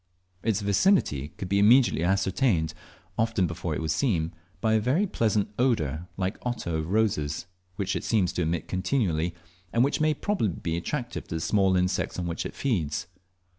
Its vicinity could be immediately ascertained, often before it was seen, by a very pleasant odour, like otto of roses, which it seems to emit continually, and which may probably be attractive to the small insects on which it feeds.